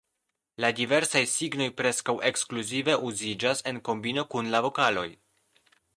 La diversaj signoj preskaŭ ekskluzive uziĝas en kombino kun la vokaloj.